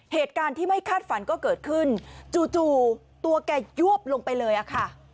เหตุการณ์ที่ไม่คาดฝันก็เกิดขึ้นจู่ตัวแกยวบลงไปเลยอะค่ะ